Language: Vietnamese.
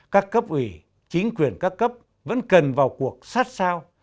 các cấp ủy chính quyền các cấp vẫn cần vào cuộc sát sao